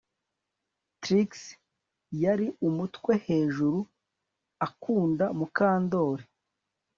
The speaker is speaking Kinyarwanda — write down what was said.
Trix yari umutwe hejuru akunda Mukandoli